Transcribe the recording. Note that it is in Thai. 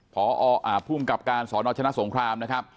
พอภูมิกับการสนชนะสงครามนะครับ